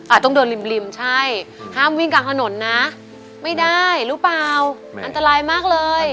ต้องเดินริมริมใช่ห้ามวิ่งกลางถนนนะไม่ได้หรือเปล่าอันตรายมากเลย